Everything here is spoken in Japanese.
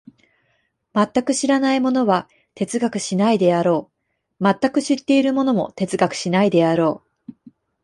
全く知らない者は哲学しないであろう、全く知っている者も哲学しないであろう。